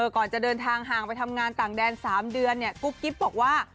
ก่อนจะเดินทางห่างไปทำงานต่างแดน๓เดือนกุ๊บกิ๊บบอกว่า